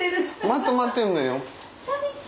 まとまってんのよ。